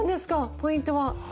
ポイントは。